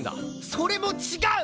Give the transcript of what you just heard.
それも違う！